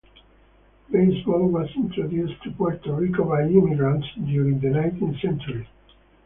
Baseball was introduced to Puerto Rico by immigrants during the nineteenth century.